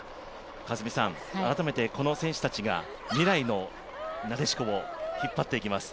川澄さん、改めてこの選手たちが未来のなでしこを引っ張っていきます。